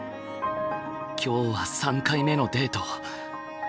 今日は３回目のデート。